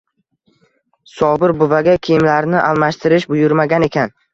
Sobir buvaga kiyimlarini almashtirish buyurmagan ekan